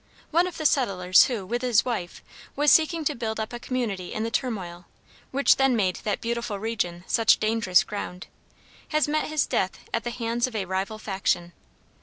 One of the settlers who, with his wife, was seeking to build up a community in the turmoil, which then made that beautiful region such dangerous ground, has met his death at the hands of a rival faction.